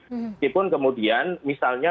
meskipun kemudian misalnya